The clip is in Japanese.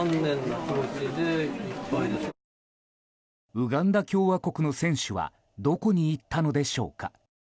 ウガンダ共和国の選手はどこに行ったのでしょうか？